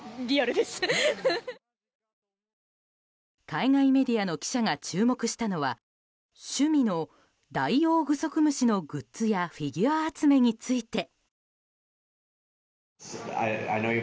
海外メディアの記者が注目したのは趣味のダイオウグソクムシのグッズやフィギュア集めについて。